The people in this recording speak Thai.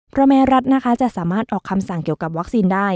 เพราะแม้รัฐนะคะจะสามารถออกคำสั่งเกี่ยวกับวัคซีนได้